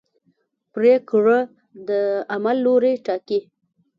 پرېکړه د عمل لوری ټاکي.